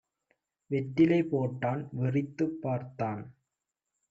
வெற்றிலை போட்டான். வெறித்துப் பார்த்தான்.